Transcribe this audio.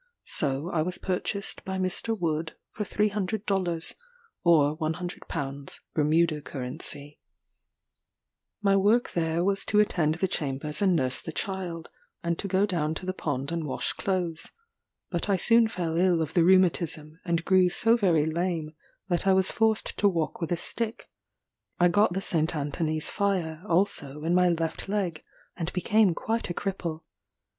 So I was purchased by Mr. Wood for 300 dollars, (or £100 Bermuda currency.) [Footnote 9: About £67. 10s. sterling.] My work there was to attend the chambers and nurse the child, and to go down to the pond and wash clothes. But I soon fell ill of the rheumatism, and grew so very lame that I was forced to walk with a stick. I got the Saint Anthony's fire, also, in my left leg, and became quite a cripple.